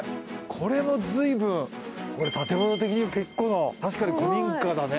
これもずいぶん建物的に結構な確かに古民家だね。